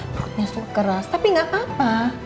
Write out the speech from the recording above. perutnya suka keras tapi gapapa